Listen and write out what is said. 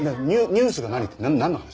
ニュースが何ってなんの話？